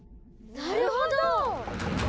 なるほど！